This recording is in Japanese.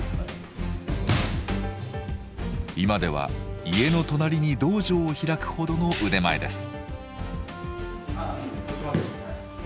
今では家の隣に道場を開くほどの腕前です。